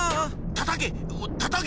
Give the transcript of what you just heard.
たたけ！